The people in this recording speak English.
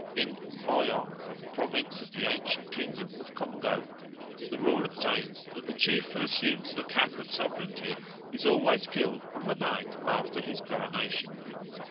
In Ngoio, a province of the ancient kingdom of Congo, the rule obtains that the chief who assumes the cap of sovereignty is always killed on the night after his coronation.